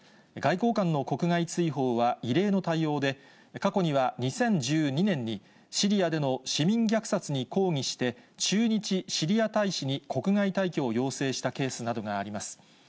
外交官の国外追放は異例の対応で、過去には２０１２年に、シリアでの市民虐殺に抗議して、駐日シリア大使に国外退去を要請したケースなどがあります。